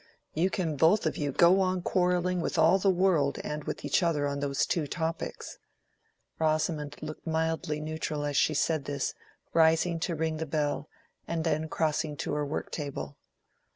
You can both of you go on quarrelling with all the world and with each other on those two topics." Rosamond looked mildly neutral as she said this, rising to ring the bell, and then crossing to her work table.